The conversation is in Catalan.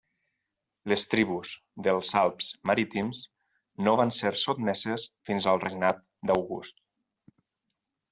Les tribus dels Alps Marítims no van ser sotmeses fins al regnat d'August.